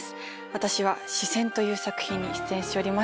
私は『視線』という作品に出演しております。